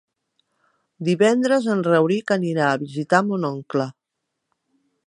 Divendres en Rauric anirà a visitar mon oncle.